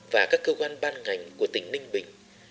và các cơ quan ban ngành